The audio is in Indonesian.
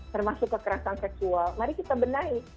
termasuk kekerasan seksual mari kita benahi